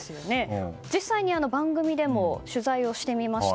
実際に、番組でも取材をしてみました。